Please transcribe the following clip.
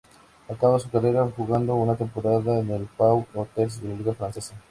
Acabó su carrera jugando una temporada en el Pau-Orthez de la liga francesa.